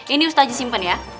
ini ustaznya simpen ya